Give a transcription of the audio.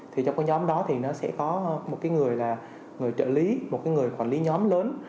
thì trong cái nhóm đó thì nó sẽ có một cái người là người trợ lý một cái người quản lý nhóm lớn